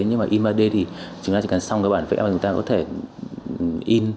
nhưng mà in ba d thì chúng ta chỉ cần xong cái bản vẽ mà chúng ta có thể in